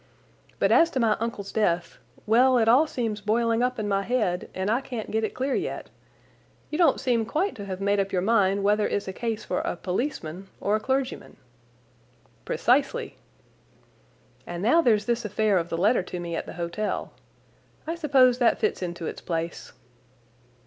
But as to my uncle's death—well, it all seems boiling up in my head, and I can't get it clear yet. You don't seem quite to have made up your mind whether it's a case for a policeman or a clergyman." "Precisely." "And now there's this affair of the letter to me at the hotel. I suppose that fits into its place."